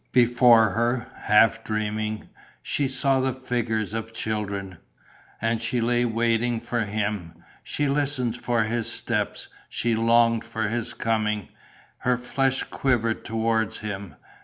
Before her, half dreaming, she saw the figures of children.... And she lay waiting for him, she listened for his step, she longed for his coming, her flesh quivered towards him....